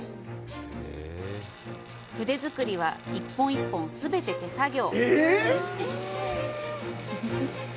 筆作りは、１本１本、全て手作業。